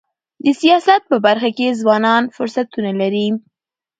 د سیاست په برخه کي ځوانان فرصتونه لري.